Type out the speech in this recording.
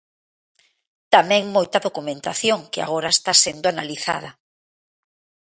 Tamén moita documentación, que agora está sendo analizada.